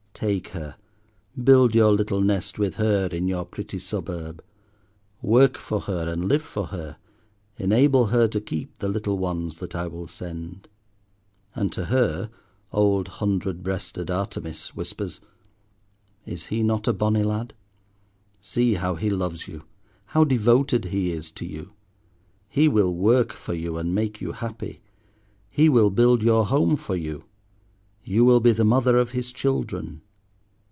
"Take her; build your little nest with her in your pretty suburb; work for her and live for her; enable her to keep the little ones that I will send." And to her, old hundred breasted Artemis whispers, "Is he not a bonny lad? See how he loves you, how devoted he is to you! He will work for you and make you happy; he will build your home for you. You will be the mother of his children."